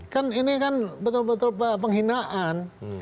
kan ini kan betul betul penghinaan